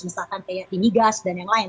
misalkan kayak indigas dan yang lain